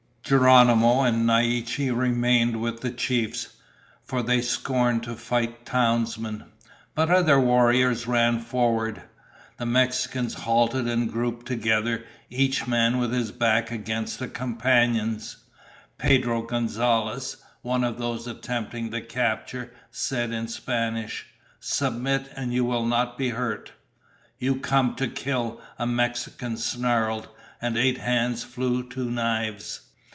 Geronimo and Naiche remained with the chiefs, for they scorned to fight townsmen. But other warriors ran forward. The Mexicans halted and grouped together, each man with his back against a companion's. Pedro Gonzalez, one of those attempting the capture, said in Spanish, "Submit and you will not be hurt." "You come to kill!" a Mexican snarled, and eight hands flew to knives.